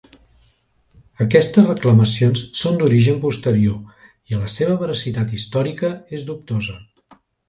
Aquestes reclamacions són d'origen posterior i la seva veracitat històrica és dubtosa.